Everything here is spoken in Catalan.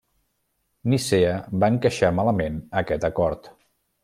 Nicea va encaixar malament aquest acord.